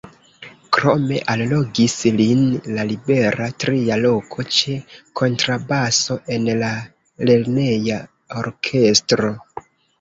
Krome allogis lin la libera tria loko ĉe kontrabaso en la lerneja orkestro.